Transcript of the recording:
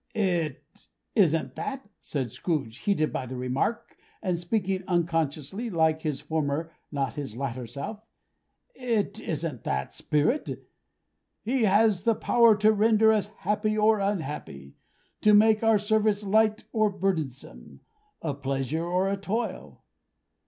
"It isn't that," said Scrooge, heated by the remark, and speaking unconsciously like his former, not his latter self. "It isn't that, Spirit. He has the power to render us happy or unhappy; to make our service light or burdensome; a pleasure or a toil.